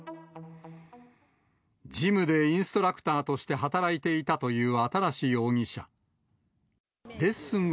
ジムでインストラクターとして働いていたという新容疑者。